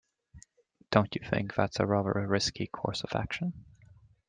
Don't you think that's a rather risky course of action?